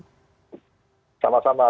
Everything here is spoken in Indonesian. sama sama terima kasih pak